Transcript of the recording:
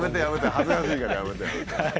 恥ずかしいからやめてやめて。